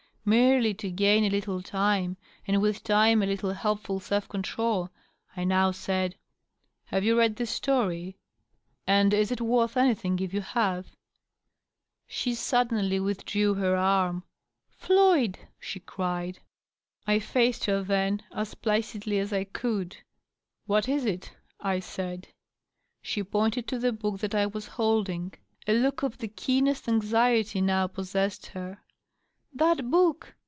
Merely to gain a little time, and with time a little helpful self control, I now said, —" Have you read this story ? And is it worth anything, if you have ?" She suddenly withdrew her arm. " Floyd !" she cried, I fiiced her, then, as placidly as I could. " What is it?" I said. 624 DOUGLAS DUANE. She pointed to the book that I was holding. A look of the keenest anxiety now possessed her. " That book